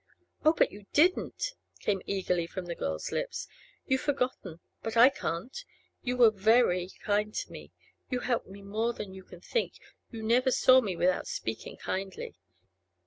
'Oh, but you didn't!' came eagerly from the girl's lips. 'You've forgotten, but I can't. You were very kind to me—you helped me more than you can think—you never saw me without speaking kindly.